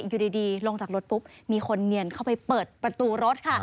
อยู่ดีลงจากรถปุ๊บมีคนเนียนเข้าไปเปิดประตูรถค่ะ